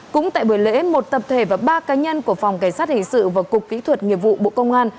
cũng tại buổi lễ một tập thể và ba cá nhân của phòng cảnh sát hình sự và cục kỹ thuật nghiệp vụ bộ công an